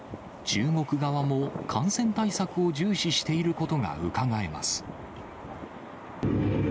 中国側も感染対策を重視していることがうかがえます。